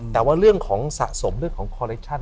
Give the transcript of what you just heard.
แต่ว่าเรื่องของสะสมเรื่องของคอลเลคชั่น